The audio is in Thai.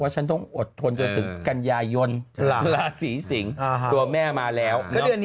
แชร์มาแล้ว